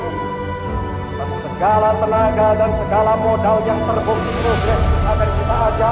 atas segala tenaga dan segala modal yang terbukti progres akan kita ajak